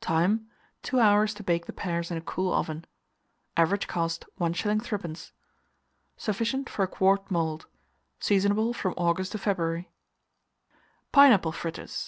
Time. 2 hours to bake the pears in a cool oven. Average cost, 1s. 3d. Sufficient for a quart mould. Seasonable from August to February PINEAPPLE FRITTERS.